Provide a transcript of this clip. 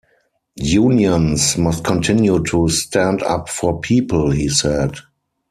"Unions must continue to stand up for people," he said.